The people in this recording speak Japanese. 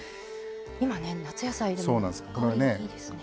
今ね夏野菜でも香りいいですね。